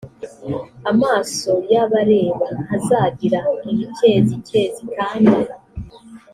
amaso y abareba ntazagira ibikezikezi kandi